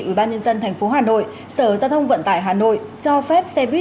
ủy ban nhân dân tp hà nội sở giao thông vận tải hà nội cho phép xe buýt